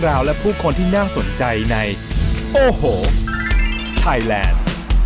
สวัสดีครับ